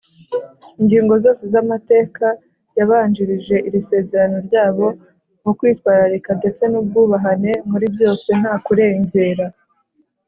Ingingo zose z’amateka yabanjirije iri sezerano ryabo mu kwitwararika ndetse n’ubwubahane muri byose ntakurengera